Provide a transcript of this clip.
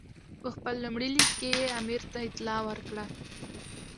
په خپل لومړي لیک کې یې امیر ته اطلاع ورکړه.